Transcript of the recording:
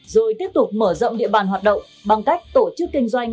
rồi tiếp tục mở rộng địa bàn hoạt động bằng cách tổ chức kinh doanh